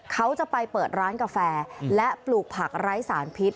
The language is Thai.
เขาจะไปเปิดร้านกาแฟและปลูกผักไร้สารพิษ